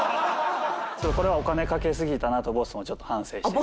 これはお金かけすぎたなとボスもちょっと反省してました。